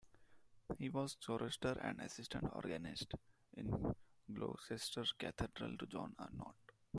He was a chorister and assistant organist in Gloucester Cathedral to John Arnott.